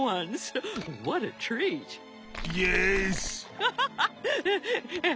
アハハハ！